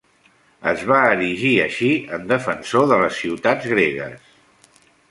Es va erigir així en defensor de les ciutats gregues.